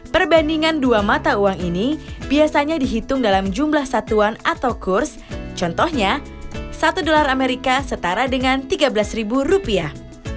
perbandingan dua mata uang ini biasanya dihitung dalam jumlah satuan atau kurs contohnya satu dolar amerika setara dengan tiga belas ribu rupiah